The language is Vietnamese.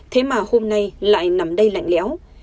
thế mà hôm nay lại nằm đây lạnh lẽo